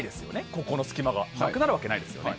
ここの隙間がなくなるわけないですよね。